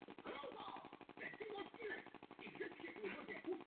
Toto vítězství nad Turky slavila celá křesťanská Evropa.